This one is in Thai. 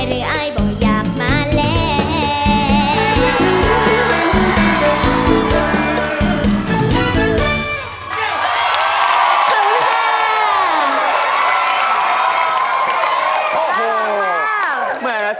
หรืออายบ่อยอยากมาแล